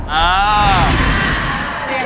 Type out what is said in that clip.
แมว